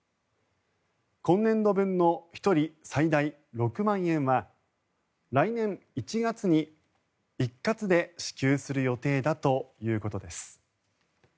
今年度分の１人最大６万円は来年１月に一括で支給する予定だということです。